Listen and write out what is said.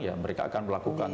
ya mereka akan melakukan